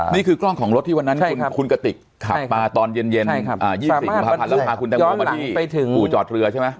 นี่คือกล้องของรถที่วันนั้นคุณกะติกขับปลาตอนเย็นย้อนหลังไปถึงปู่จอดเรือใช่ไหม